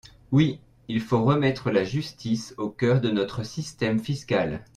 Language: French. Oui, il faut remettre la justice au cœur de notre système fiscal.